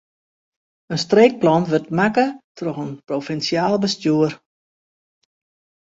In streekplan wurdt makke troch it provinsjaal bestjoer.